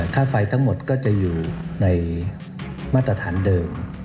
ค่าไฟทั้งหมดก็จะอยู่ในมาตรฐานเดิม